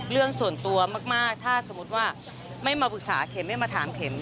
เรื่องส่วนตัวมากถ้าสมมุติว่าไม่มาปรึกษาเข็มไม่มาถามเข็ม